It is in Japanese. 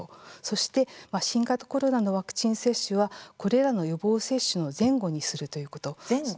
そして新型コロナのワクチン接種はこれらの予防接種の前後にするということ。